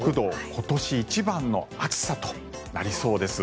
今年一番の暑さとなりそうです。